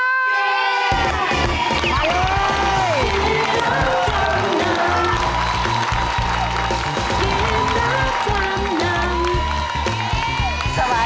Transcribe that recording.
สวัสดีครับ